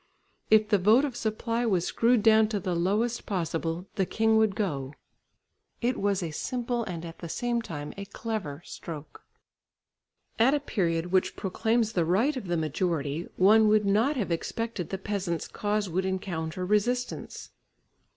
If the vote of supply was screwed down to the lowest possible, the king would go. It was a simple and at the same time a clever stroke. At a period which proclaims the right of the majority, one would not have expected the peasants' cause would encounter resistance.